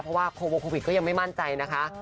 เพราะว่าโควิดก็ยังไม่มั่นใจนะคะ